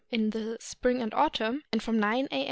in the spring and autumn, and from 9 A.